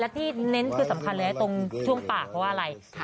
และที่เน้นคือสำคัญเลยตรงช่วงปากเพราะว่าอะไร